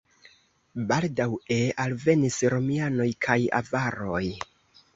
Baldaŭe alvenis romianoj kaj avaroj.